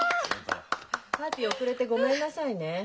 パーティー遅れてごめんなさいね。